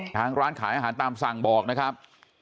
ร้านขายอาหารตามสั่งบอกนะครับ